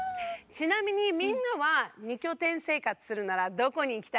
ちなみにみんなは二拠点生活するならどこにいきたい？